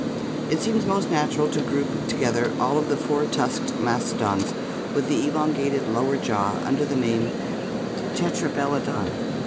It seems most natural to group to gether all of the four tusked mastodons with the elongated lower jaw under Head of Dinotkninm. th Tetrabelodon (Gr.